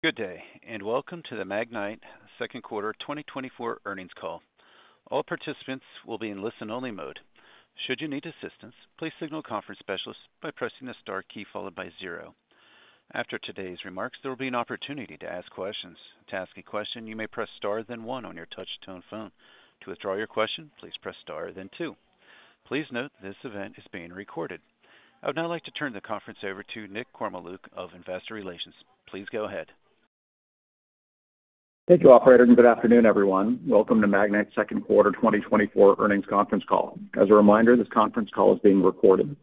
Good day, and welcome to the Magnite Second Quarter 2024 Earnings Call. All participants will be in listen-only mode. Should you need assistance, please signal a conference specialist by pressing the star key followed by zero. After today's remarks, there will be an opportunity to ask questions. To ask a question, you may press star, then one on your touch-tone phone. To withdraw your question, please press star, then two. Please note, this event is being recorded. I would now like to turn the conference over to Nick Kormeluk of Investor Relations. Please go ahead. Thank you, operator, and good afternoon, everyone. Welcome to Magnite's second quarter 2024 earnings conference call. As a reminder, this conference call is being recorded.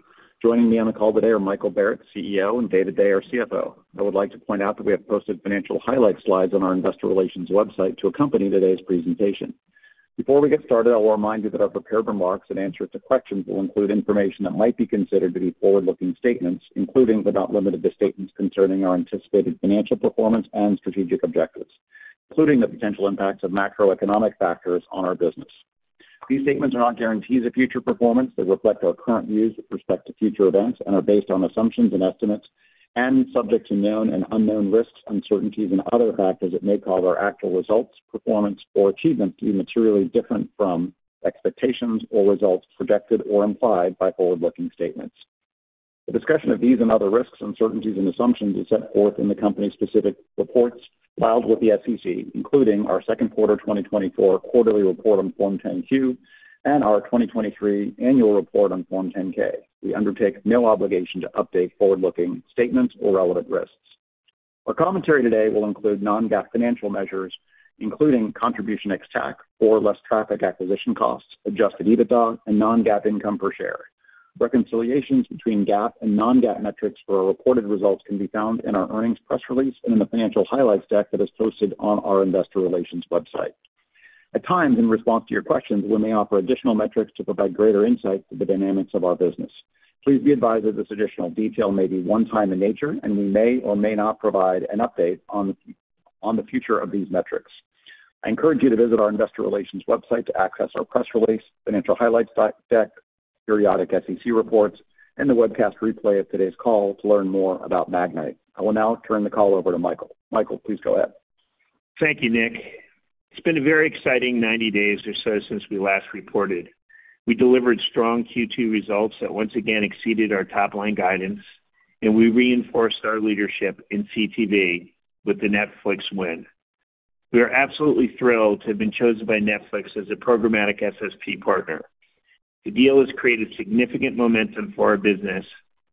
Joining me on the call today are Michael Barrett, CEO, and David Day, our CFO. I would like to point out that we have posted financial highlight slides on our investor relations website to accompany today's presentation. Before we get started, I will remind you that our prepared remarks and answers to questions will include information that might be considered to be forward-looking statements, including, but not limited to, statements concerning our anticipated financial performance and strategic objectives, including the potential impacts of macroeconomic factors on our business. These statements are not guarantees of future performance. They reflect our current views with respect to future events and are based on assumptions and estimates, and subject to known and unknown risks, uncertainties, and other factors that may cause our actual results, performance, or achievements to be materially different from expectations or results projected or implied by forward-looking statements. A discussion of these and other risks, uncertainties, and assumptions is set forth in the company's specific reports filed with the SEC, including our second quarter 2024 quarterly report on Form 10-Q and our 2023 annual report on Form 10-K. We undertake no obligation to update forward-looking statements or relevant risks. Our commentary today will include non-GAAP financial measures, including contribution ex-TAC or less traffic acquisition costs, adjusted EBITDA, and non-GAAP income per share. Reconciliations between GAAP and non-GAAP metrics for our reported results can be found in our earnings press release and in the financial highlights deck that is posted on our investor relations website. At times, in response to your questions, we may offer additional metrics to provide greater insight to the dynamics of our business. Please be advised that this additional detail may be one-time in nature, and we may or may not provide an update on the future of these metrics. I encourage you to visit our investor relations website to access our press release, financial highlights deck, periodic SEC reports, and the webcast replay of today's call to learn more about Magnite. I will now turn the call over to Michael. Michael, please go ahead. Thank you, Nick. It's been a very exciting 90 days or so since we last reported. We delivered strong Q2 results that once again exceeded our top-line guidance, and we reinforced our leadership in CTV with the Netflix win. We are absolutely thrilled to have been chosen by Netflix as a programmatic SSP partner. The deal has created significant momentum for our business,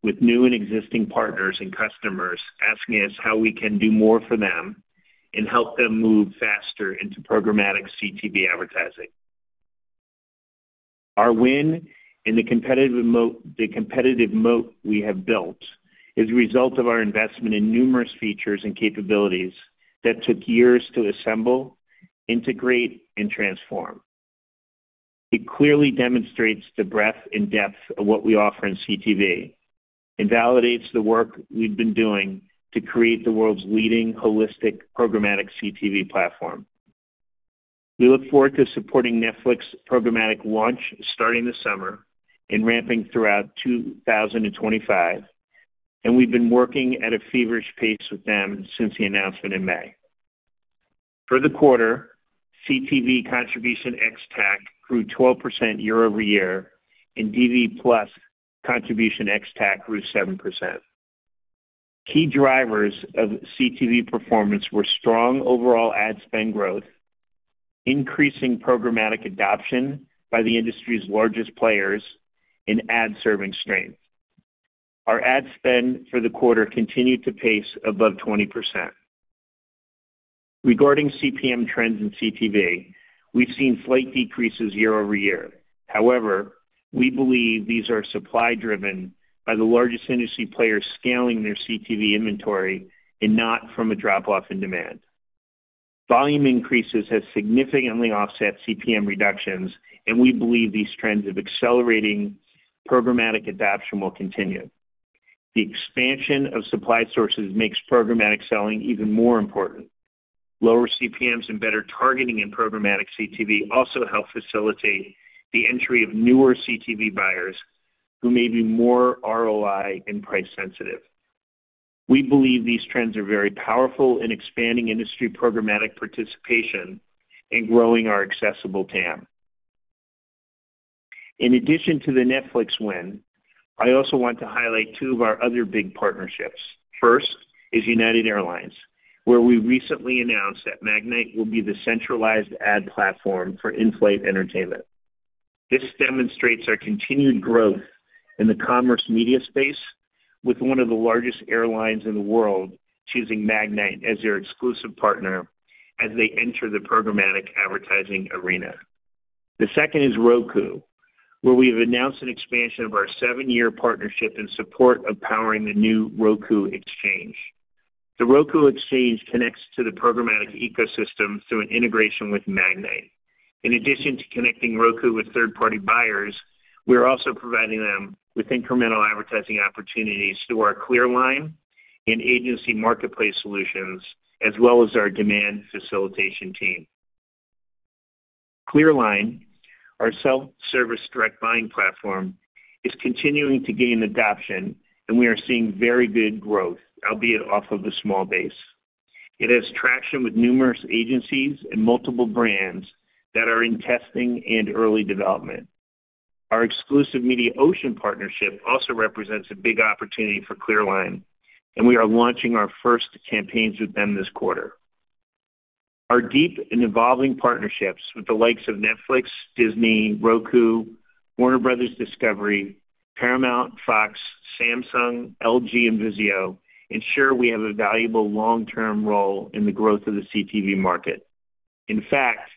with new and existing partners and customers asking us how we can do more for them and help them move faster into programmatic CTV advertising. Our win and the competitive moat, the competitive moat we have built is a result of our investment in numerous features and capabilities that took years to assemble, integrate, and transform. It clearly demonstrates the breadth and depth of what we offer in CTV and validates the work we've been doing to create the world's leading holistic, programmatic CTV platform. We look forward to supporting Netflix's programmatic launch starting this summer and ramping throughout 2025, and we've been working at a feverish pace with them since the announcement in May. For the quarter, CTV contribution ex-TAC grew 12% year-over-year, and DV+ contribution ex-TAC grew 7%. Key drivers of CTV performance were strong overall ad spend growth, increasing programmatic adoption by the industry's largest players, and ad-serving strength. Our ad spend for the quarter continued to pace above 20%. Regarding CPM trends in CTV, we've seen slight decreases year-over-year. However, we believe these are supply-driven by the largest industry players scaling their CTV inventory and not from a drop-off in demand. Volume increases have significantly offset CPM reductions, and we believe these trends of accelerating programmatic adoption will continue. The expansion of supply sources makes programmatic selling even more important. Lower CPMs and better targeting in programmatic CTV also help facilitate the entry of newer CTV buyers who may be more ROI and price sensitive. We believe these trends are very powerful in expanding industry programmatic participation and growing our accessible TAM. In addition to the Netflix win, I also want to highlight two of our other big partnerships. First is United Airlines, where we recently announced that Magnite will be the centralized ad platform for in-flight entertainment. This demonstrates our continued growth in the commerce media space, with one of the largest airlines in the world choosing Magnite as their exclusive partner as they enter the programmatic advertising arena. The second is Roku, where we have announced an expansion of our seven-year partnership in support of powering the new Roku Exchange. The Roku Exchange connects to the programmatic ecosystem through an integration with Magnite. In addition to connecting Roku with third-party buyers, we are also providing them with incremental advertising opportunities through our ClearLine and agency marketplace solutions, as well as our demand facilitation team. ClearLine, our self-service direct buying platform, is continuing to gain adoption, and we are seeing very good growth, albeit off of a small base. It has traction with numerous agencies and multiple brands that are in testing and early development. Our exclusive Mediaocean partnership also represents a big opportunity for ClearLine, and we are launching our first campaigns with them this quarter. Our deep and evolving partnerships with the likes of Netflix, Disney, Roku, Warner Bros. Discovery, Paramount, Fox, Samsung, LG, and Vizio ensure we have a valuable long-term role in the growth of the CTV market. In fact,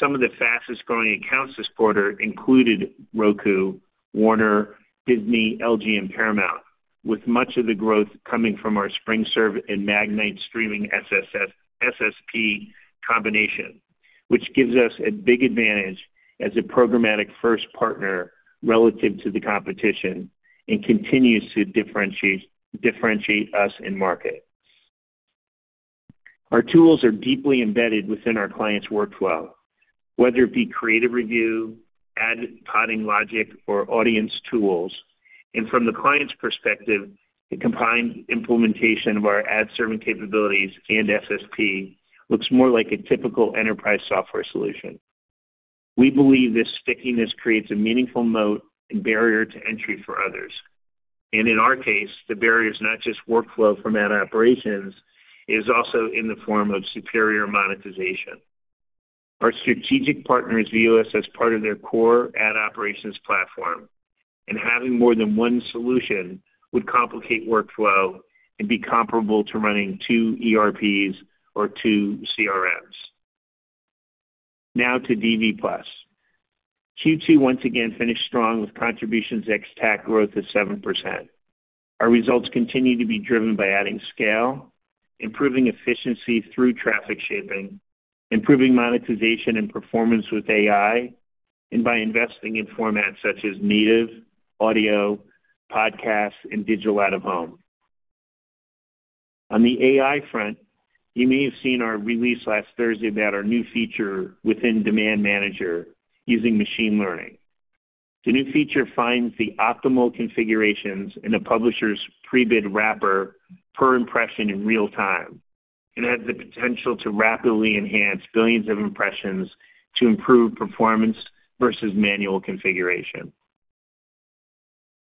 some of the fastest-growing accounts this quarter included Roku, Warner, Disney, LG, and Paramount, with much of the growth coming from our SpringServe and Magnite Streaming SSP combination, which gives us a big advantage as a programmatic first partner relative to the competition and continues to differentiate, differentiate us in market. Our tools are deeply embedded within our clients' workflow, whether it be creative review, ad podding logic, or audience tools, and from the client's perspective, the combined implementation of our ad serving capabilities and SSP looks more like a typical enterprise software solution. We believe this stickiness creates a meaningful moat and barrier to entry for others, and in our case, the barrier is not just workflow from ad operations, it is also in the form of superior monetization. Our strategic partners view us as part of their core ad operations platform, and having more than one solution would complicate workflow and be comparable to running two ERPs or two CRMs. Now to DV+. Q2 once again finished strong with contributions ex-TAC growth of 7%. Our results continue to be driven by adding scale, improving efficiency through traffic shaping, improving monetization and performance with AI, and by investing in formats such as native, audio, podcasts, and digital out-of-home. On the AI front, you may have seen our release last Thursday about our new feature within Demand Manager using machine learning. The new feature finds the optimal configurations in a publisher's Prebid wrapper per impression in real time and has the potential to rapidly enhance billions of impressions to improve performance versus manual configuration.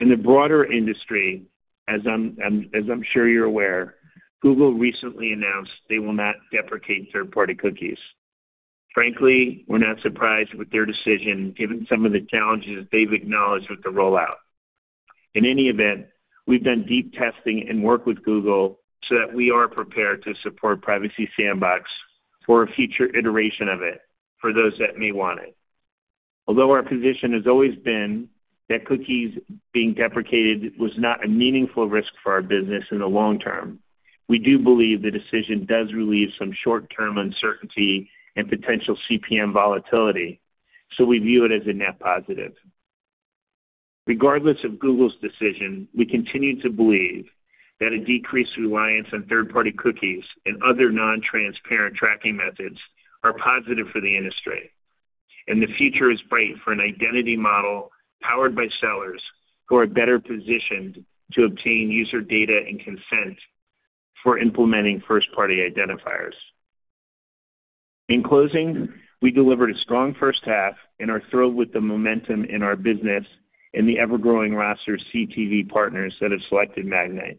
In the broader industry, as I'm sure you're aware, Google recently announced they will not deprecate third-party cookies. Frankly, we're not surprised with their decision, given some of the challenges they've acknowledged with the rollout. In any event, we've done deep testing and work with Google so that we are prepared to support Privacy Sandbox for a future iteration of it for those that may want it. Although our position has always been that cookies being deprecated was not a meaningful risk for our business in the long term, we do believe the decision does relieve some short-term uncertainty and potential CPM volatility, so we view it as a net positive. Regardless of Google's decision, we continue to believe that a decreased reliance on third-party cookies and other non-transparent tracking methods are positive for the industry, and the future is bright for an identity model powered by sellers who are better positioned to obtain user data and consent for implementing first-party identifiers. In closing, we delivered a strong first half and are thrilled with the momentum in our business and the ever-growing roster of CTV partners that have selected Magnite.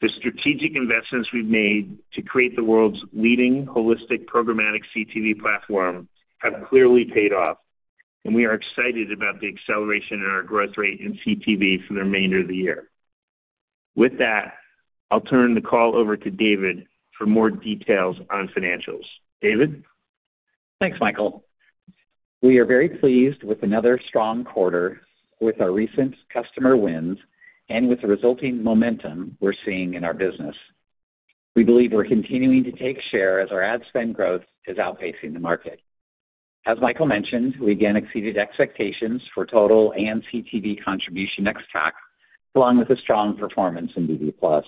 The strategic investments we've made to create the world's leading holistic programmatic CTV platform have clearly paid off, and we are excited about the acceleration in our growth rate in CTV for the remainder of the year. With that, I'll turn the call over to David for more details on financials. David? Thanks, Michael. We are very pleased with another strong quarter, with our recent customer wins, and with the resulting momentum we're seeing in our business. We believe we're continuing to take share as our ad spend growth is outpacing the market. As Michael mentioned, we again exceeded expectations for total and CTV contribution ex-TAC, along with a strong performance in DV+.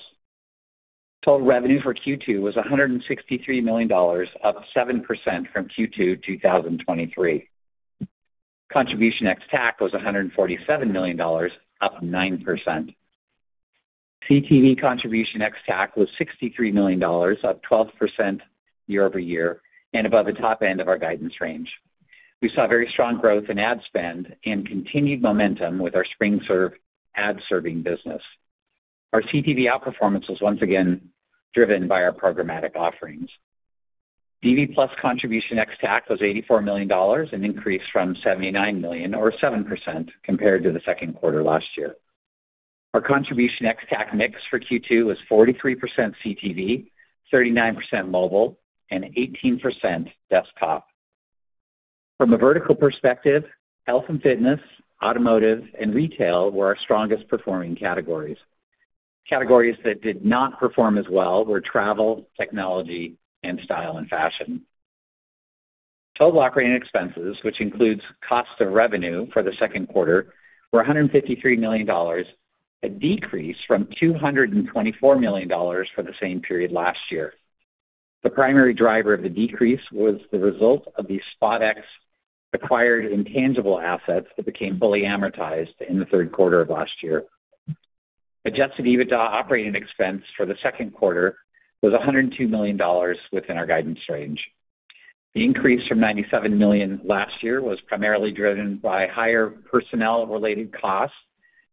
Total revenue for Q2 was $163 million, up 7% from Q2 2023. Contribution ex-TAC was $147 million, up 9%. CTV contribution ex-TAC was $63 million, up 12% year-over-year and above the top end of our guidance range. We saw very strong growth in ad spend and continued momentum with our SpringServe ad-serving business. Our CTV outperformance was once again driven by our programmatic offerings. DV+ contribution ex-TAC was $84 million, an increase from $79 million, or 7% compared to the second quarter last year. Our contribution ex-TAC mix for Q2 was 43% CTV, 39% mobile, and 18% desktop. From a vertical perspective, health and fitness, automotive, and retail were our strongest performing categories. Categories that did not perform as well were travel, technology, and style and fashion. Total operating expenses, which includes cost of revenue for the second quarter, were $153 million, a decrease from $224 million for the same period last year. The primary driver of the decrease was the result of the SpotX acquired intangible assets that became fully amortized in the third quarter of last year. Adjusted EBITDA operating expense for the second quarter was $102 million within our guidance range. The increase from $97 million last year was primarily driven by higher personnel-related costs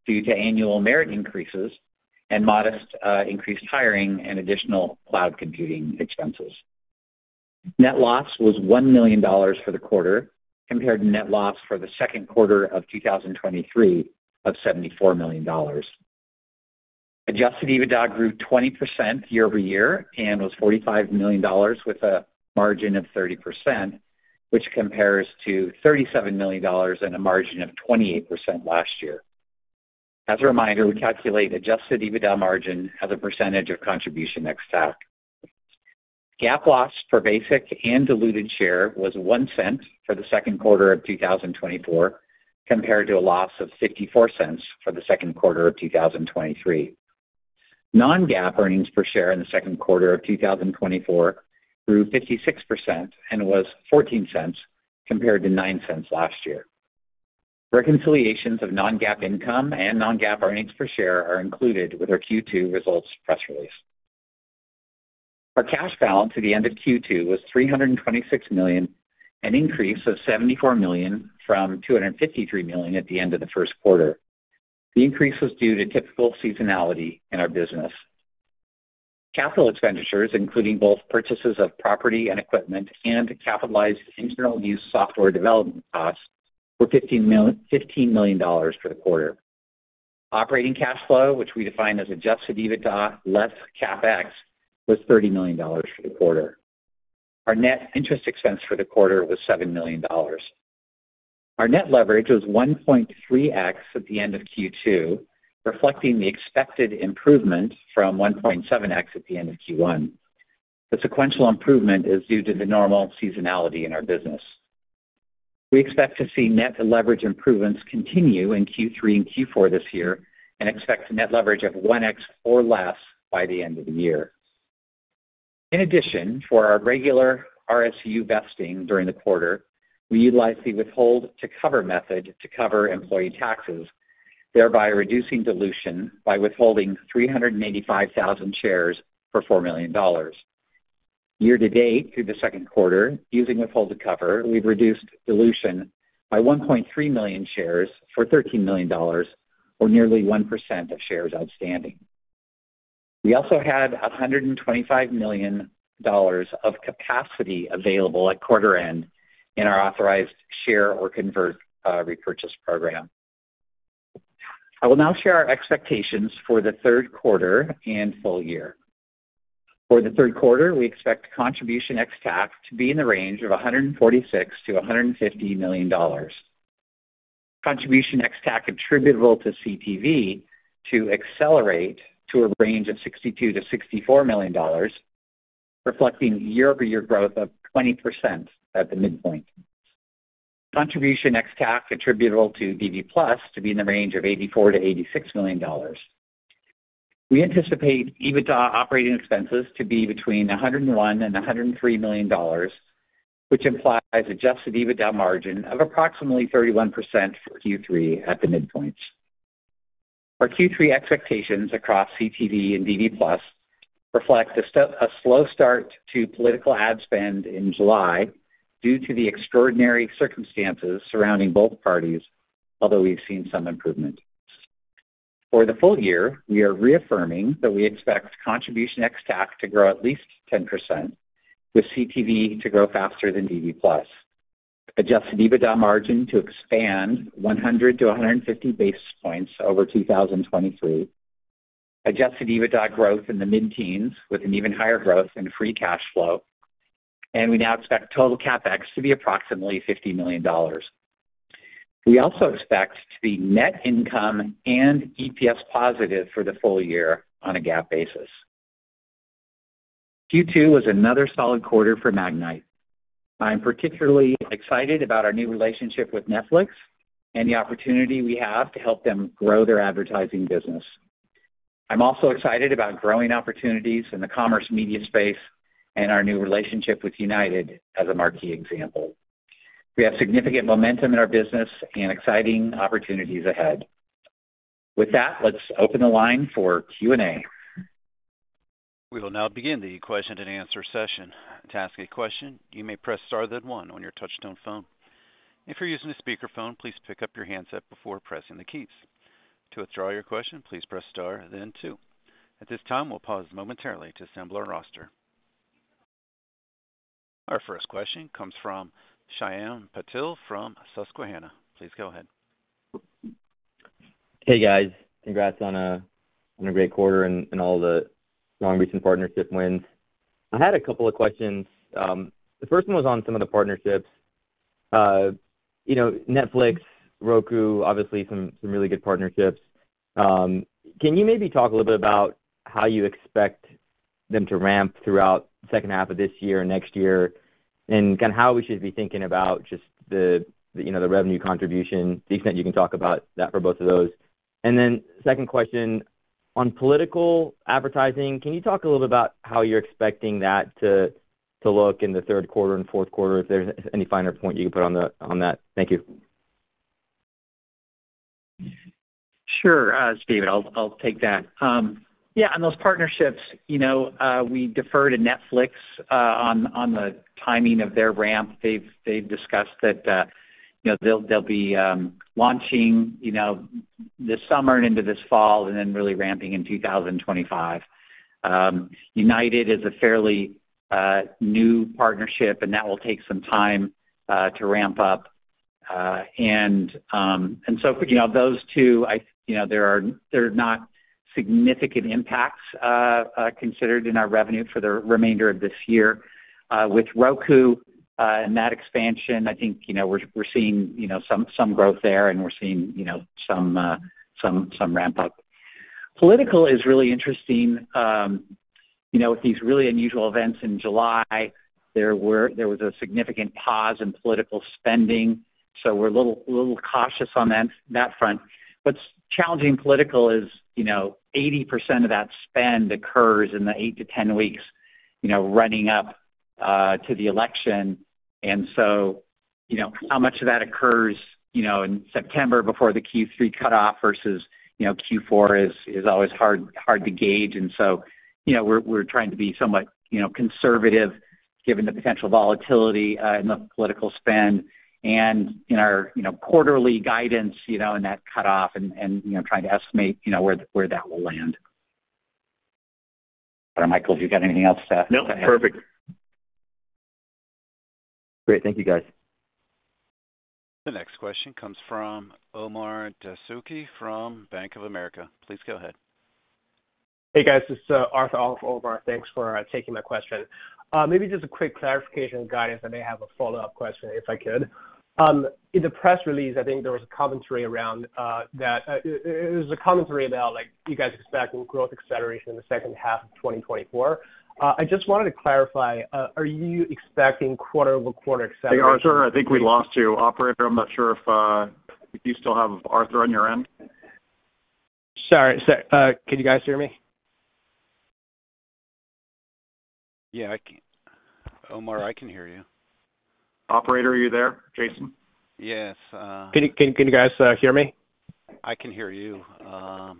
due to annual merit increases and modest increased hiring and additional cloud computing expenses. Net loss was $1 million for the quarter, compared to net loss for the second quarter of 2023 of $74 million. Adjusted EBITDA grew 20% year-over-year and was $45 million with a margin of 30%, which compares to $37 million and a margin of 28% last year. As a reminder, we calculate adjusted EBITDA margin as a percentage of contribution ex-TAC. GAAP loss per basic and diluted share was $0.01 for the second quarter of 2024, compared to a loss of $0.64 for the second quarter of 2023. Non-GAAP earnings per share in the second quarter of 2024 grew 56% and was $0.14, compared to $0.09 last year. Reconciliations of non-GAAP income and non-GAAP earnings per share are included with our Q2 results press release. Our cash balance at the end of Q2 was $326 million, an increase of $74 million from $253 million at the end of the first quarter. The increase was due to typical seasonality in our business. Capital expenditures, including both purchases of property and equipment and capitalized internal use software development costs, were $15 million for the quarter. Operating cash flow, which we define as Adjusted EBITDA, less CapEx, was $30 million for the quarter. Our net interest expense for the quarter was $7 million. Our net leverage was 1.3x at the end of Q2, reflecting the expected improvement from 1.7x at the end of Q1. The sequential improvement is due to the normal seasonality in our business. We expect to see net leverage improvements continue in Q3 and Q4 this year, and expect net leverage of 1x or less by the end of the year. In addition, for our regular RSU vesting during the quarter, we utilized the withhold-to-cover method to cover employee taxes, thereby reducing dilution by withholding 385,000 shares for $4 million. Year to date, through the second quarter, using withhold to cover, we've reduced dilution by 1.3 million shares for $13 million, or nearly 1% of shares outstanding. We also had $125 million of capacity available at quarter end in our authorized share or convert, repurchase program. I will now share our expectations for the third quarter and full year. For the third quarter, we expect contribution ex-TAC to be in the range of $146 million-$150 million. Contribution ex-TAC attributable to CTV to accelerate to a range of $62 million-$64 million, reflecting year-over-year growth of 20% at the midpoint. Contribution ex-TAC attributable to DV+ to be in the range of $84 million-$86 million. We anticipate EBITDA operating expenses to be between $101 million and $103 million, which implies adjusted EBITDA margin of approximately 31% for Q3 at the midpoint. Our Q3 expectations across CTV and DV+ reflect a slow start to political ad spend in July due to the extraordinary circumstances surrounding both parties, although we've seen some improvement. For the full year, we are reaffirming that we expect contribution ex-TAC to grow at least 10%, with CTV to grow faster than DV+. Adjusted EBITDA margin to expand 100-150 basis points over 2023. Adjusted EBITDA growth in the mid-teens with an even higher growth in free cash flow, and we now expect total CapEx to be approximately $50 million. We also expect to be net income and EPS positive for the full year on a GAAP basis. Q2 was another solid quarter for Magnite. I'm particularly excited about our new relationship with Netflix and the opportunity we have to help them grow their advertising business. I'm also excited about growing opportunities in the commerce media space and our new relationship with United as a marquee example. We have significant momentum in our business and exciting opportunities ahead. With that, let's open the line for Q&A. We will now begin the question-and-answer session. To ask a question, you may press star then one on your touchtone phone. If you're using a speakerphone, please pick up your handset before pressing the keys. To withdraw your question, please press star then two. At this time, we'll pause momentarily to assemble our roster. Our first question comes from Shyam Patil from Susquehanna. Please go ahead. Hey, guys. Congrats on a great quarter and all the strong recent partnership wins. I had a couple of questions. The first one was on some of the partnerships. You know, Netflix, Roku, obviously some really good partnerships. Can you maybe talk a little bit about how you expect them to ramp throughout second half of this year and next year, and kind of how we should be thinking about just the, you know, the revenue contribution, the extent you can talk about that for both of those. And then second question, on political advertising, can you talk a little bit about how you're expecting that to look in the third quarter and fourth quarter, if there's any finer point you can put on that? Thank you. Sure, Shyam, I'll take that. Yeah, on those partnerships, you know, we defer to Netflix on the timing of their ramp. They've discussed that, you know, they'll be launching, you know, this summer and into this fall, and then really ramping in 2025. United is a fairly new partnership, and that will take some time to ramp up. And so, you know, those two, I, you know, they are, they're not significant impacts considered in our revenue for the remainder of this year. With Roku and that expansion, I think, you know, we're seeing, you know, some growth there, and we're seeing, you know, some ramp-up. Political is really interesting. You know, with these really unusual events in July, there was a significant pause in political spending, so we're a little cautious on that front. What's challenging political is, you know, 80% of that spend occurs in the 8-10 weeks, you know, running up to the election. And so, you know, how much of that occurs, you know, in September before the Q3 cutoff versus, you know, Q4 is always hard to gauge. And so, you know, we're trying to be somewhat, you know, conservative given the potential volatility in the political spend and in our, you know, quarterly guidance, you know, and that cutoff and, you know, trying to estimate, you know where that will land. Michael, do you got anything else to add? No, perfect. Great. Thank you, guys. The next question comes from Omar Dessouky from Bank of America. Please go ahead. Hey, guys, this is Omar. Thanks for taking my question. Maybe just a quick clarification guidance. I may have a follow-up question, if I could. In the press release, I think there was a commentary around that it was a commentary about, like, you guys expect growth acceleration in the second half of 2024. I just wanted to clarify, are you expecting quarter-over-quarter acceleration- Hey, Omar, I think we lost you. Operator, I'm not sure if, do you still have Omar on your end? Sorry, sir. Can you guys hear me? Yeah, I can, Omar, I can hear you. Operator, are you there? Jason? Yes, uh- Can you guys hear me? I can hear you. Hold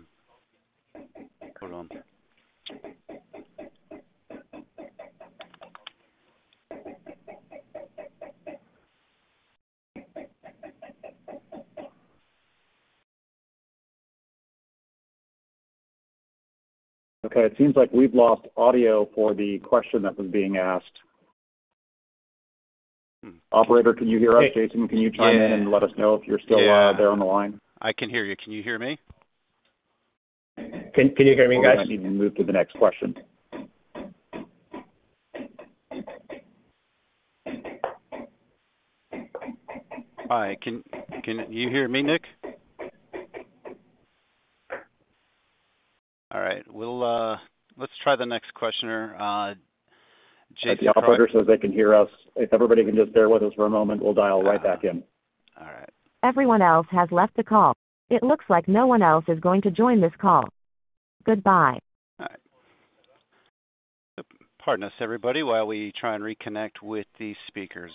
on. Okay, it seems like we've lost audio for the question that was being asked. Operator, can you hear us? Jason, can you chime in? Yeah. And let us know if you're still there on the line? I can hear you. Can you hear me? Can you hear me, guys? I need to move to the next question. Hi, can you hear me, Nick? All right, we'll... Let's try the next questioner. Jake- The operator says they can hear us. If everybody can just bear with us for a moment, we'll dial right back in. All right. Everyone else has left the call. It looks like no one else is going to join this call. Goodbye. All right. Pardon us, everybody, while we try and reconnect with the speakers.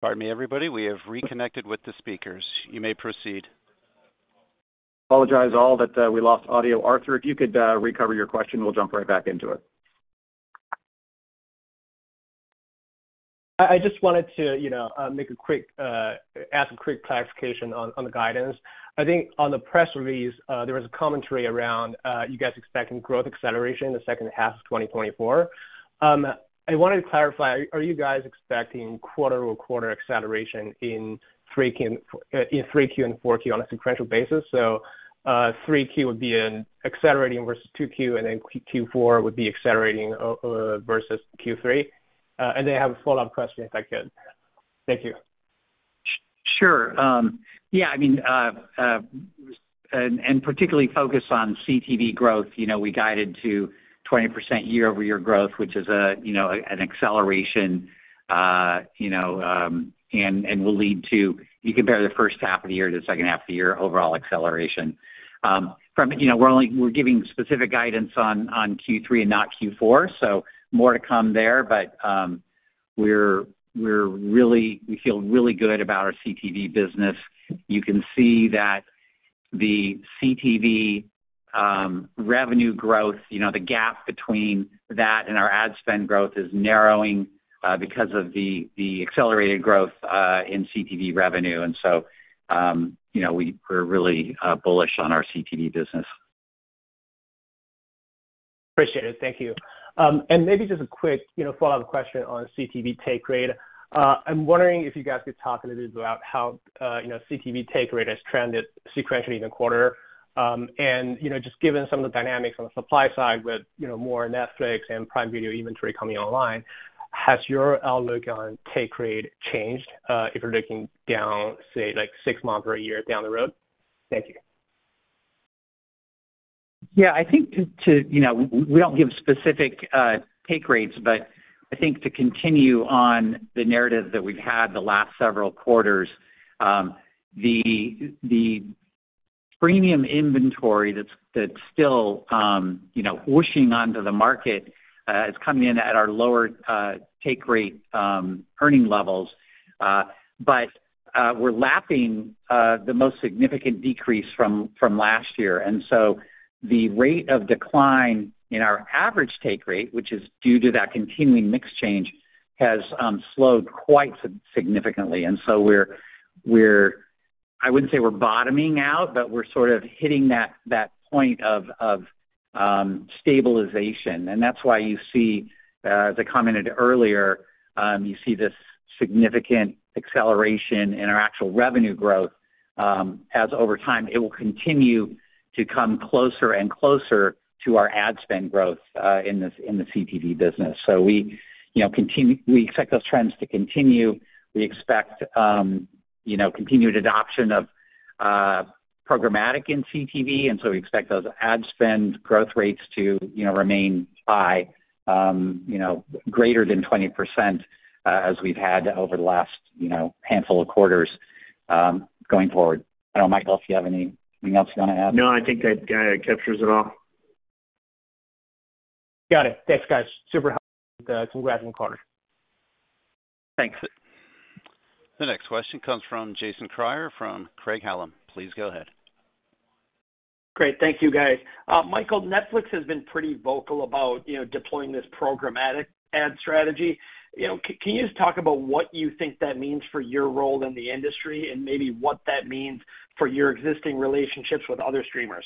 Pardon me, everybody, we have reconnected with the speakers. You may proceed. Apologies, all, but we lost audio. Omar, if you could recover your question, we'll jump right back into it. I just wanted to, you know, make a quick ask a quick clarification on the guidance. I think on the press release, there was a commentary around you guys expecting growth acceleration in the second half of 2024. I wanted to clarify, are you guys expecting quarter-over-quarter acceleration in 3Q and 4Q on a sequential basis? So, 3Q would be in accelerating versus 2Q, and then Q4 would be accelerating versus Q3. And I have a follow-up question, if I could. Thank you. Sure. Yeah, I mean, and particularly focused on CTV growth, you know, we guided to 20% year-over-year growth, which is a, you know, an acceleration, you know, and will lead to - you compare the first half of the year to the second half of the year, overall acceleration. From, you know, we're only - we're giving specific guidance on Q3 and not Q4, so more to come there. But, we're really - we feel really good about our CTV business. You can see that the CTV revenue growth, you know, the gap between that and our ad spend growth is narrowing, because of the accelerated growth in CTV revenue. And so, you know, we're really bullish on our CTV business. Appreciate it. Thank you. And maybe just a quick, you know, follow-up question on CTV take rate. I'm wondering if you guys could talk a little bit about how, you know, CTV take rate has trended sequentially in the quarter. And, you know, just given some of the dynamics on the supply side with, you know, more Netflix and Prime Video inventory coming online, has your outlook on take rate changed, if you're looking down, say, like six months or a year down the road? Thank you. Yeah, I think to you know we don't give specific take rates, but I think to continue on the narrative that we've had the last several quarters, the premium inventory that's still you know whooshing onto the market is coming in at our lower take rate earning levels. But we're lapping the most significant decrease from last year, and so the rate of decline in our average take rate, which is due to that continuing mix change, has slowed quite significantly. And so we're. I wouldn't say we're bottoming out, but we're sort of hitting that point of stabilization. That's why you see, as I commented earlier, you see this significant acceleration in our actual revenue growth, as over time, it will continue to come closer and closer to our ad spend growth, in the CTV business. So we, you know, we expect those trends to continue. We expect, you know, continued adoption of programmatic in CTV, and so we expect those ad spend growth rates to, you know, remain high, you know, greater than 20%, as we've had over the last, you know, handful of quarters, going forward. I don't know, Michael, if you have anything else you want to add? No, I think that, yeah, captures it all. Got it. Thanks, guys. Super helpful, congrats on the quarter. Thanks. The next question comes from Jason Kreyer from Craig-Hallum. Please go ahead. Great. Thank you, guys. Michael, Netflix has been pretty vocal about, you know, deploying this programmatic ad strategy. You know, can you just talk about what you think that means for your role in the industry, and maybe what that means for your existing relationships with other streamers?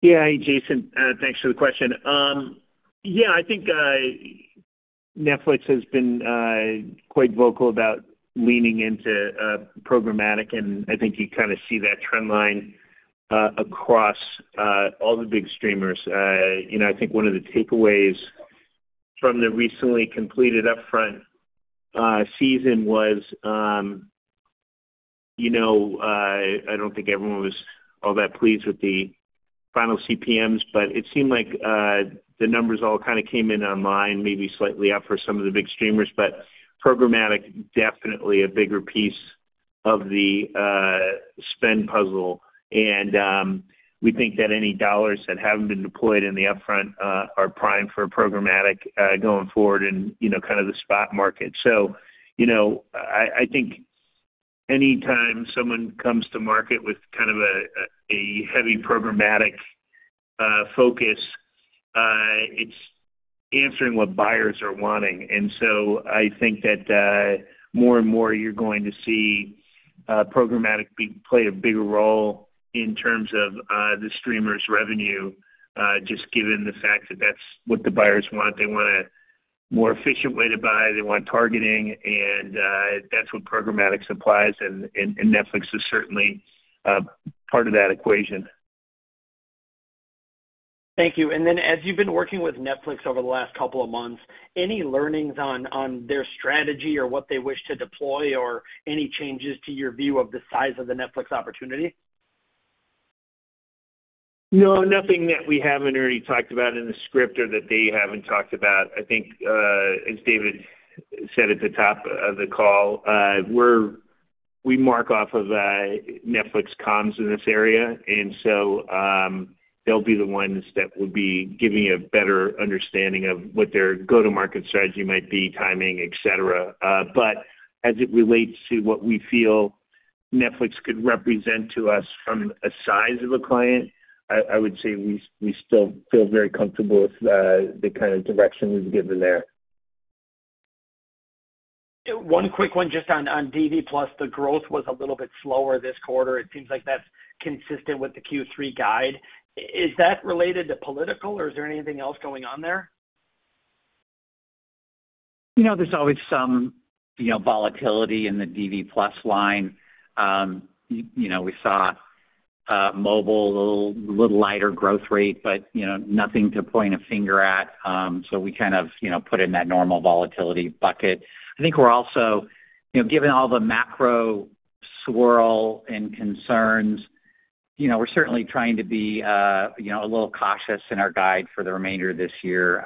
Yeah. Hey, Jason, thanks for the question. Yeah, I think Netflix has been quite vocal about leaning into programmatic, and I think you kind of see that trend line across all the big streamers. You know, I think one of the takeaways from the recently completed upfront season was, you know, I don't think everyone was all that pleased with the final CPMs, but it seemed like the numbers all kind of came in online, maybe slightly up for some of the big streamers. But programmatic, definitely a bigger piece of the spend puzzle. We think that any dollars that haven't been deployed in the upfront are primed for programmatic going forward and, you know, kind of the spot market. So, you know, I think anytime someone comes to market with kind of a heavy programmatic focus, it's answering what buyers are wanting. And so I think that, more and more, you're going to see programmatic play a bigger role in terms of the streamers' revenue, just given the fact that that's what the buyers want. They want a more efficient way to buy, they want targeting, and that's what programmatic supplies, and Netflix is certainly part of that equation. Thank you. And then, as you've been working with Netflix over the last couple of months, any learnings on their strategy or what they wish to deploy, or any changes to your view of the size of the Netflix opportunity? No, nothing that we haven't already talked about in the script or that they haven't talked about. I think, as David said at the top of the call, we mark off of Netflix comms in this area, and so, they'll be the ones that would be giving a better understanding of what their go-to-market strategy might be, timing, et cetera. But as it relates to what we feel Netflix could represent to us from a size of a client, I would say we still feel very comfortable with the kind of direction we've given there. One quick one just on DV+. The growth was a little bit slower this quarter. It seems like that's consistent with the Q3 guide. Is that related to political, or is there anything else going on there? You know, there's always some, you know, volatility in the DV+ line. You know, we saw mobile, a little lighter growth rate, but, you know, nothing to point a finger at. So we kind of, you know, put it in that normal volatility bucket. I think we're also, you know, given all the macro swirl and concerns, you know, we're certainly trying to be, you know, a little cautious in our guide for the remainder of this year,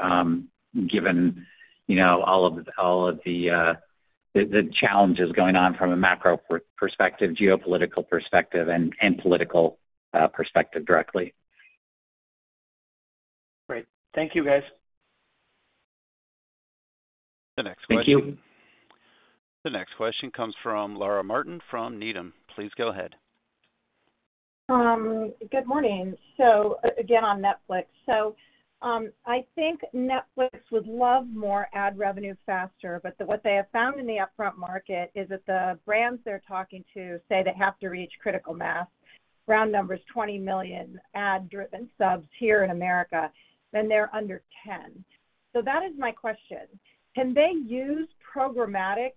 given, you know, all of, all of the, the challenges going on from a macro perspective, geopolitical perspective, and political perspective directly. Great. Thank you, guys. The next question. Thank you. The next question comes from Laura Martin, from Needham. Please go ahead. Good morning. So, again, on Netflix. So, I think Netflix would love more ad revenue faster, but what they have found in the upfront market is that the brands they're talking to say they have to reach critical mass, round numbers, 20 million ad-driven subs here in America, and they're under 10. So that is my question: Can they use programmatic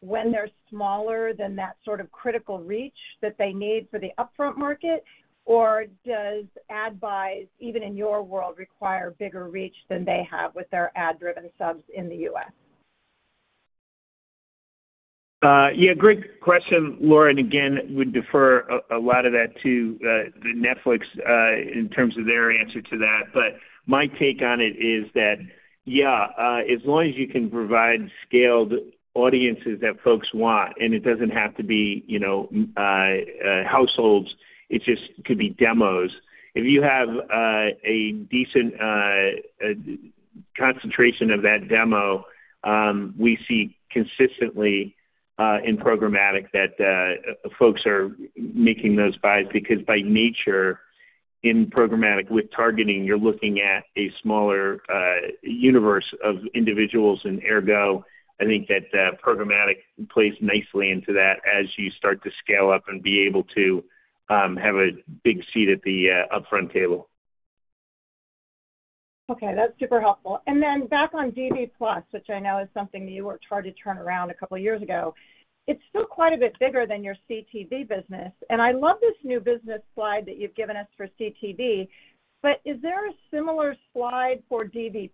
when they're smaller than that sort of critical reach that they need for the upfront market? Or does ad buys, even in your world, require bigger reach than they have with their ad-driven subs in the U.S.? Yeah, great question, Laura, and again, would defer a lot of that to the Netflix in terms of their answer to that. But my take on it is that, yeah, as long as you can provide scaled audiences that folks want, and it doesn't have to be, you know, households, it just could be demos. If you have a decent concentration of that demo, we see consistently in programmatic that folks are making those buys, because by nature, in programmatic, with targeting, you're looking at a smaller universe of individuals. And ergo, I think that programmatic plays nicely into that as you start to scale up and be able to have a big seat at the upfront table. Okay, that's super helpful. And then back on DV+, which I know is something you worked hard to turn around a couple of years ago. It's still quite a bit bigger than your CTV business, and I love this new business slide that you've given us for CTV. But is there a similar slide for DV+,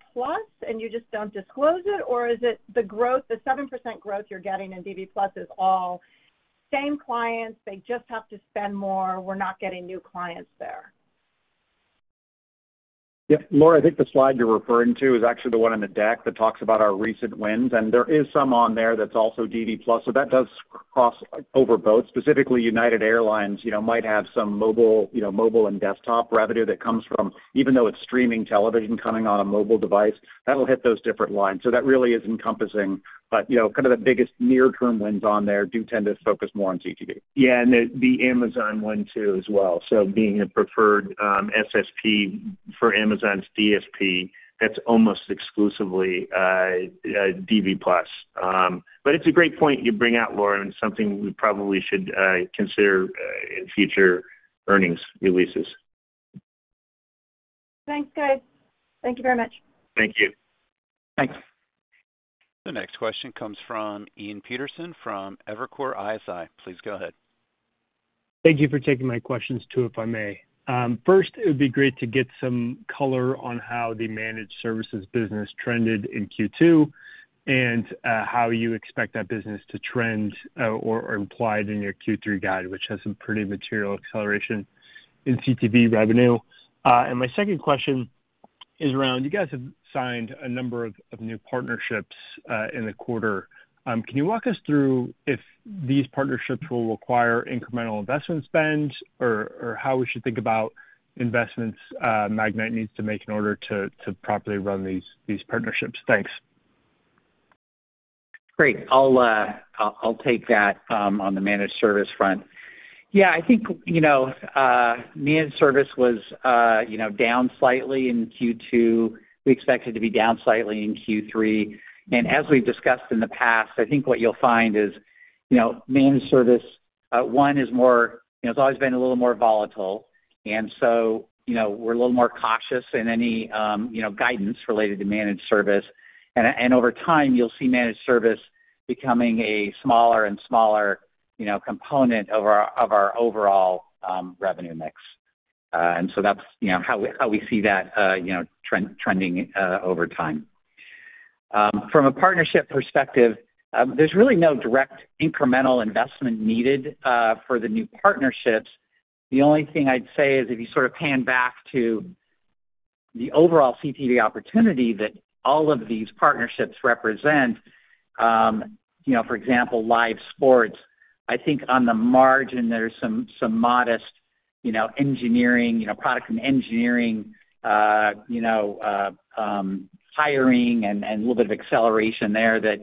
and you just don't disclose it? Or is it the growth, the 7% growth you're getting in DV+ is all same clients, they just have to spend more, we're not getting new clients there? Yep. Laura, I think the slide you're referring to is actually the one on the deck that talks about our recent wins, and there is some on there that's also DV+. So that does cross over both. Specifically, United Airlines, you know, might have some mobile, you know, mobile and desktop revenue that comes from, even though it's streaming television coming on a mobile device, that'll hit those different lines. So that really is encompassing. But, you know, kind of the biggest near-term wins on there do tend to focus more on CTV. Yeah, and the Amazon one, too, as well. So being a preferred SSP for Amazon's DSP, that's almost exclusively DV+. But it's a great point you bring out, Laura, and something we probably should consider in future earnings releases. Thanks, guys. Thank you very much. Thank you. Thanks. The next question comes from Ian Peterson from Evercore ISI. Please go ahead. Thank you for taking my questions, too, if I may. First, it would be great to get some color on how the managed services business trended in Q2, and, how you expect that business to trend, or implied in your Q3 guide, which has some pretty material acceleration in CTV revenue. And my second question is around, you guys have signed a number of new partnerships in the quarter. Can you walk us through if these partnerships will require incremental investment spend or how we should think about investments, Magnite needs to make in order to properly run these partnerships? Thanks. Great. I'll take that on the managed service front. Yeah, I think, you know, managed service was, you know, down slightly in Q2. We expect it to be down slightly in Q3. And as we've discussed in the past, I think what you'll find is, you know, managed service, one, is more. You know, it's always been a little more volatile, and so, you know, we're a little more cautious in any, you know, guidance related to managed service. And over time, you'll see managed service becoming a smaller and smaller, you know, component of our, of our overall revenue mix. And so that's, you know, how we see that, you know, trending over time. From a partnership perspective, there's really no direct incremental investment needed for the new partnerships. The only thing I'd say is, if you sort of pan back to the overall CTV opportunity that all of these partnerships represent, you know, for example, live sports, I think on the margin, there's some, some modest, you know, engineering, you know, product and engineering, hiring and, and a little bit of acceleration there that,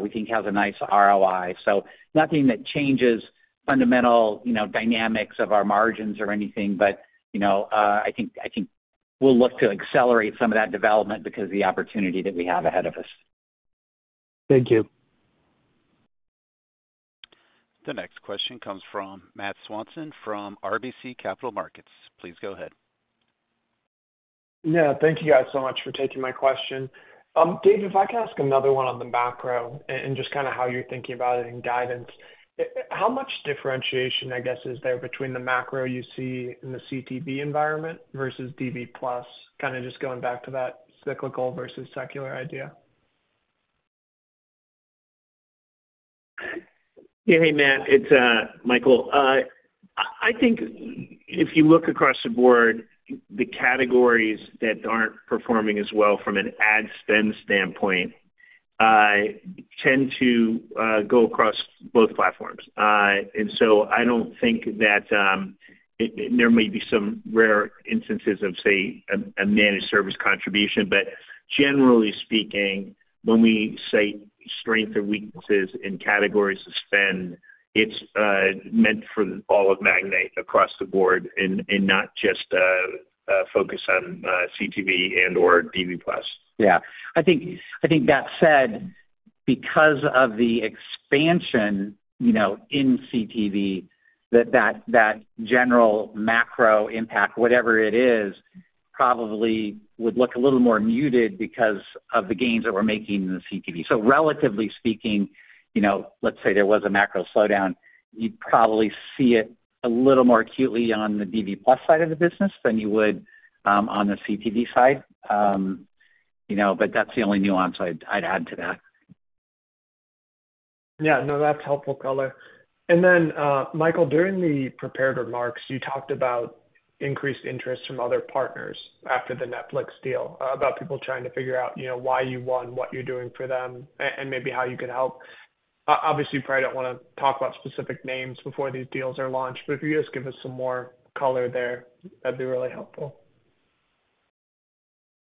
we think has a nice ROI. So nothing that changes fundamental, you know, dynamics of our margins or anything, but, you know, I think, I think we'll look to accelerate some of that development because of the opportunity that we have ahead of us. Thank you. The next question comes from Matt Swanson, from RBC Capital Markets. Please go ahead. Yeah, thank you guys so much for taking my question. Dave, if I could ask another one on the macro and just kind of how you're thinking about it in guidance. How much differentiation, I guess, is there between the macro you see in the CTV environment versus DV+? Kind of just going back to that cyclical versus secular idea. Yeah. Hey, Matt, it's Michael. I think if you look across the board, the categories that aren't performing as well from an ad spend standpoint tend to go across both platforms. And so I don't think that there may be some rare instances of, say, a managed service contribution. But generally speaking, when we say strength or weaknesses in categories of spend, it's meant for all of Magnite across the board and not just a focus on CTV and/or DV+. Yeah, I think that said, because of the expansion, you know, in CTV, that general macro impact, whatever it is, probably would look a little more muted because of the gains that we're making in the CTV. So relatively speaking, you know, let's say there was a macro slowdown, you'd probably see it a little more acutely on the DV+ side of the business than you would on the CTV side. You know, but that's the only nuance I'd add to that. Yeah. No, that's helpful color. And then, Michael, during the prepared remarks, you talked about increased interest from other partners after the Netflix deal, about people trying to figure out, you know, why you won, what you're doing for them, and maybe how you can help. Obviously, you probably don't wanna talk about specific names before these deals are launched, but if you could just give us some more color there, that'd be really helpful.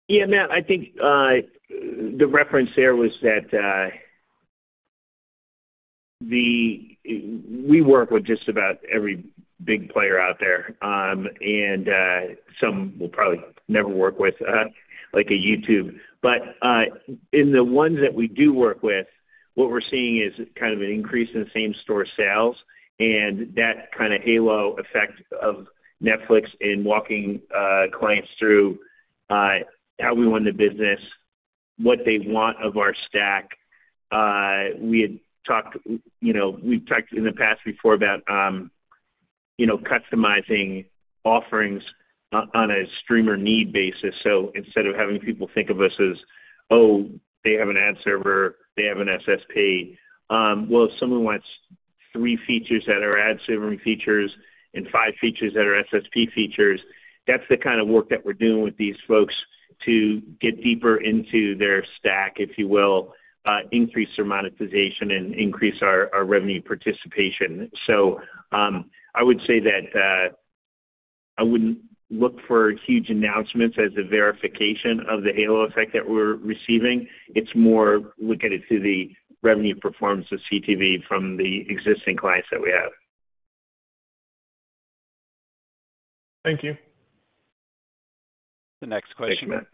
Yeah, Matt, I think, the reference there was that, the... We work with just about every big player out there, and, some we'll probably never work with, like a YouTube. But, in the ones that we do work with, what we're seeing is kind of an increase in same-store sales, and that kind of halo effect of Netflix in walking clients through, how we won the business, what they want of our stack. We had talked, you know, we've talked in the past before about, you know, customizing offerings on a streamer need basis. So instead of having people think of us as, oh, they have an ad server, they have an SSP, well, if someone wants three features that are ad server features and five features that are SSP features, that's the kind of work that we're doing with these folks to get deeper into their stack, if you will, increase their monetization and increase our, our revenue participation. So, I would say that, I wouldn't look for huge announcements as a verification of the halo effect that we're receiving. It's more look at it through the revenue performance of CTV from the existing clients that we have. Thank you. The next question. Thanks, Matt.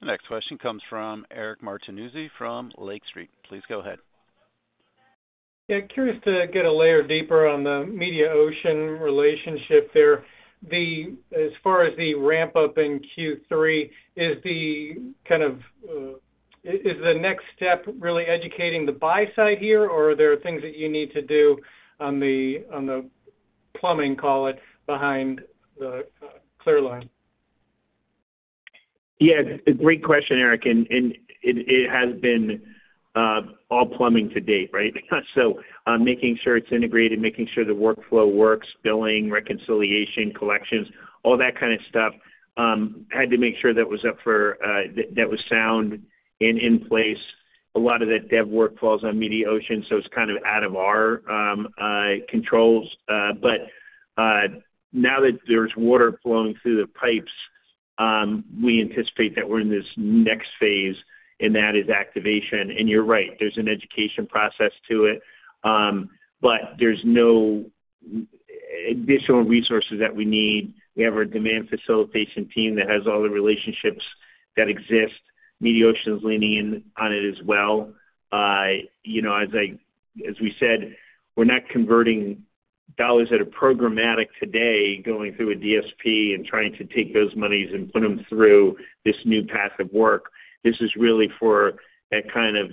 The next question comes from Eric Martinuzzi from Lake Street. Please go ahead. Yeah, curious to get a layer deeper on the Mediaocean relationship there. As far as the ramp-up in Q3, is the kind of is the next step really educating the buy side here, or are there things that you need to do on the plumbing, call it, behind the ClearLine? Yeah, great question, Eric, and it has been all plumbing to date, right? So, making sure it's integrated, making sure the workflow works, billing, reconciliation, collections, all that kind of stuff, had to make sure that was up for, that was sound and in place. A lot of that dev work falls on Mediaocean, so it's kind of out of our controls. But now that there's water flowing through the pipes, we anticipate that we're in this next phase, and that is activation. And you're right, there's an education process to it, but there's no additional resources that we need. We have our demand facilitation team that has all the relationships that exist. Mediaocean is leaning in on it as well. You know, as we said, we're not converting dollars that are programmatic today, going through a DSP and trying to take those monies and put them through this new path of work. This is really for that kind of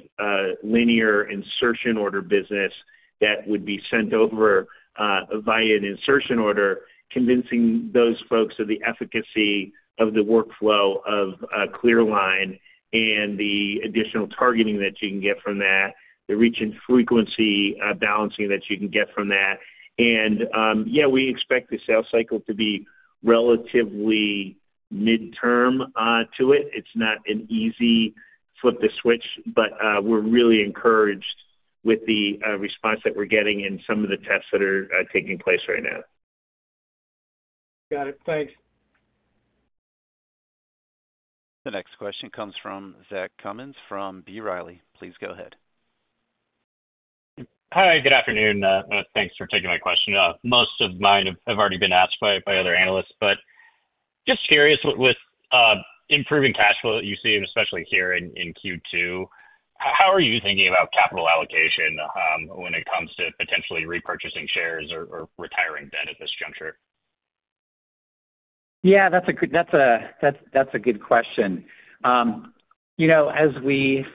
linear insertion order business that would be sent over via an insertion order, convincing those folks of the efficacy of the workflow of ClearLine and the additional targeting that you can get from that, the reach and frequency balancing that you can get from that. And yeah, we expect the sales cycle to be relatively midterm to it. It's not an easy flip a switch, but we're really encouraged with the response that we're getting in some of the tests that are taking place right now. Got it. Thanks. The next question comes from Zach Cummins from B. Riley. Please go ahead. Hi, good afternoon. Thanks for taking my question. Most of mine have already been asked by other analysts. But just curious, with improving cash flow that you've seen, especially here in Q2, how are you thinking about capital allocation, when it comes to potentially repurchasing shares or retiring debt at this juncture? Yeah, that's a good question. You know, as we're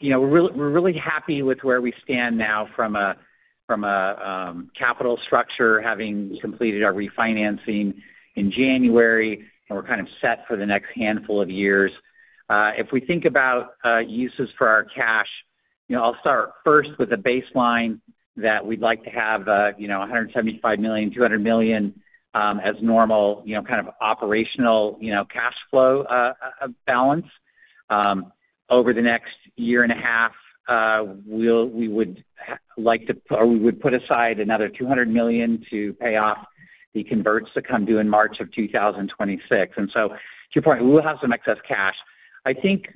really happy with where we stand now from a capital structure, having completed our refinancing in January, and we're kind of set for the next handful of years. If we think about uses for our cash, you know, I'll start first with the baseline that we'd like to have, you know, $175 million-$200 million as normal, you know, kind of operational cash flow balance. Over the next year and a half, we would like to put aside another $200 million to pay off the converts that come due in March 2026. And so to your point, we'll have some excess cash. I think,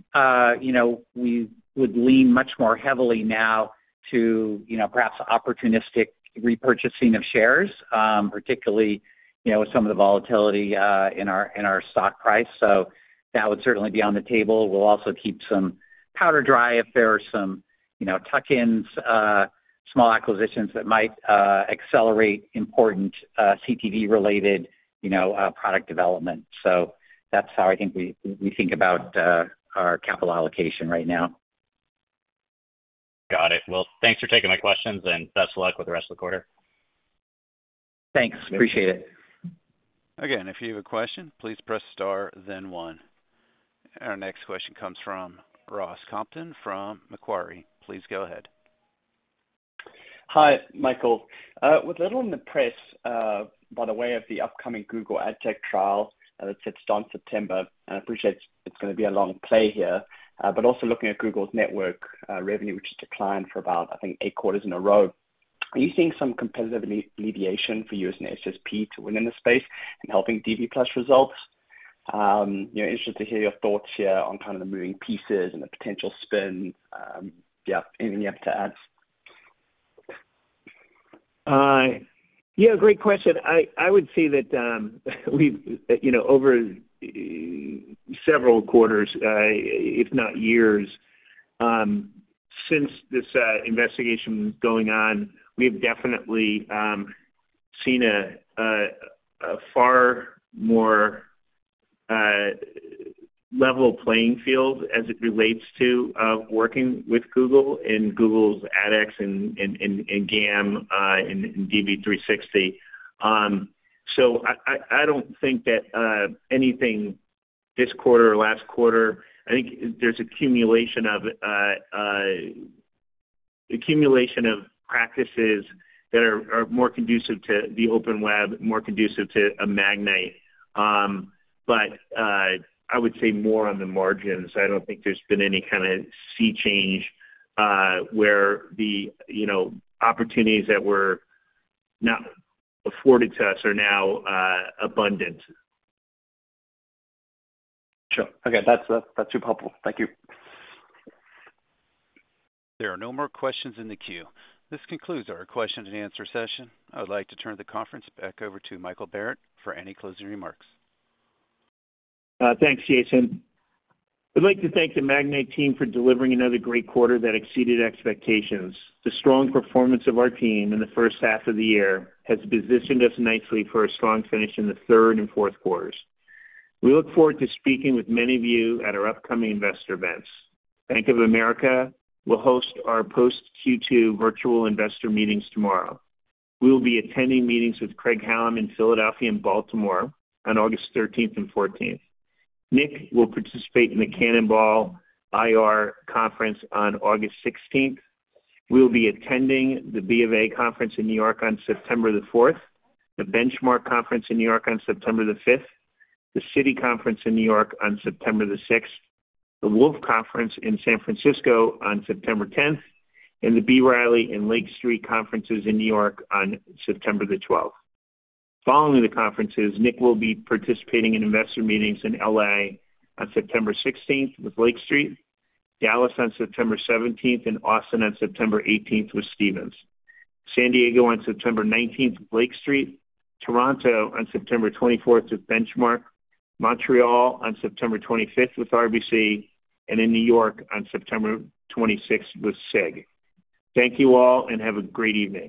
you know, we would lean much more heavily now to, you know, perhaps opportunistic repurchasing of shares, particularly, you know, with some of the volatility in our stock price. So that would certainly be on the table. We'll also keep some powder dry if there are some, you know, tuck-ins, small acquisitions that might accelerate important CTV-related, you know, product development. So that's how I think we think about our capital allocation right now. Got it. Well, thanks for taking my questions, and best of luck with the rest of the quarter. Thanks. Appreciate it. Again, if you have a question, please press star, then one. Our next question comes from Ross Compton from Macquarie. Please go ahead. Hi, Michael. With little in the press, by the way, of the upcoming Google AdTech trial that sits on September, and I appreciate it's gonna be a long play here. But also looking at Google's network revenue, which has declined for about, I think, eight quarters in a row, are you seeing some competitive remediation for you as an SSP to win in the space and helping DV+ results? I'm interested to hear your thoughts here on kind of the moving pieces and the potential spin. Yeah, anything you have to add? Yeah, great question. I would say that we've, you know, over several quarters, if not years, since this investigation going on, we have definitely seen a far more level playing field as it relates to working with Google and Google's AdX and GAM and DV360. So I don't think that anything this quarter or last quarter, I think there's accumulation of practices that are more conducive to the open web, more conducive to a Magnite. But I would say more on the margins. I don't think there's been any kinda sea change, where the, you know, opportunities that were not afforded to us are now abundant. Sure. Okay. That's, that's super helpful. Thank you. There are no more questions in the queue. This concludes our question and answer session. I would like to turn the conference back over to Michael Barrett for any closing remarks. Thanks, Jason. I'd like to thank the Magnite team for delivering another great quarter that exceeded expectations. The strong performance of our team in the first half of the year has positioned us nicely for a strong finish in the third and fourth quarters. We look forward to speaking with many of you at our upcoming investor events. Bank of America will host our post Q2 virtual investor meetings tomorrow. We will be attending meetings with Craig-Hallum in Philadelphia and Baltimore on August thirteenth and fourteenth. Nick will participate in the Canaccord IR Conference on August sixteenth. We'll be attending the B of A conference in New York on September the fourth, the Benchmark Conference in New York on September the fifth, the Citi Conference in New York on September the sixth, the Wolfe Conference in San Francisco on September tenth, and the B. Riley and Lake Street conferences in New York on September 12. Following the conferences, Nick will be participating in investor meetings in LA on September 16 with Lake Street, Dallas on September 17, and Austin on September 18 with Stephens. San Diego on September 19 with Lake Street, Toronto on September 24 with Benchmark, Montreal on September 25 with RBC, and in New York on September 26 with SIG. Thank you all, and have a great evening.